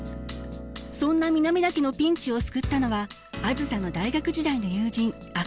そんな南田家のピンチを救ったのはあづさの大学時代の友人赤松。